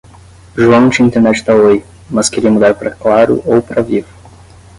João tinha internet da Oi, mas queria mudar pra Claro ou pra Vivo.